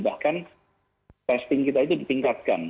bahkan testing kita itu ditingkatkan